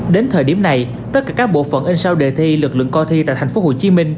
đến thời điểm này tất cả các bộ phận in sau đề thi lực lượng coi thi tại tp hcm